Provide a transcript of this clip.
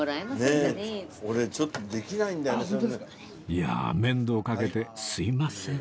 いやあ面倒かけてすいません